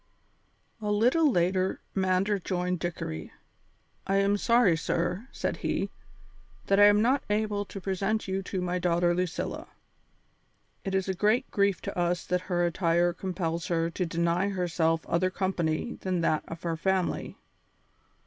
A little later Mander joined Dickory. "I am sorry, sir," said he, "that I am not able to present you to my daughter Lucilla. It is a great grief to us that her attire compels her to deny herself other company than that of her family.